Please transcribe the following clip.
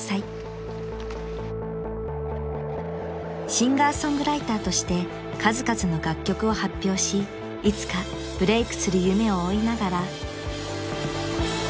［シンガー・ソングライターとして数々の楽曲を発表しいつかブレークする夢を追いながら］